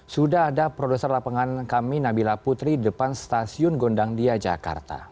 sudah ada produser lapangan kami nabila putri di depan stasiun gondang dia jakarta